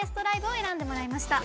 ＬＩＶＥを選んでもらいました。